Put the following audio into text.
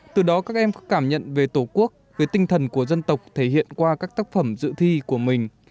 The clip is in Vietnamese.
từ đó các em có cảm nhận về tổ quốc về tinh thần của dân tộc thể hiện qua các tác phẩm dự thi của mình